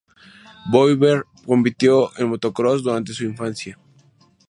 Bowyer compitió en motocross durante su infancia.